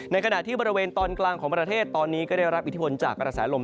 ขณะที่บริเวณตอนกลางของประเทศตอนนี้ก็ได้รับอิทธิพลจากกระแสลม